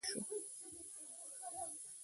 له پوسټ ماډرنيزم سره يوځاى شو